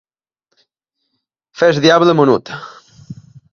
Fer el diable menut.